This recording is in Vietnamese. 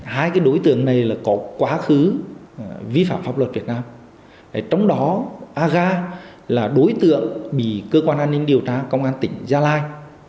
hai đối tượng này có quá khứ vi phạm pháp luật việt nam trong đó aga là đối tượng bị cơ quan an ninh điều tra công an tỉnh gia lai